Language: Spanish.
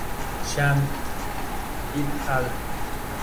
Shan "et al".